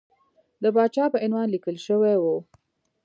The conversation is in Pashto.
د پاچا په عنوان لیکل شوی وو.